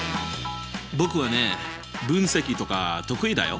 僕はね分析とか得意だよ。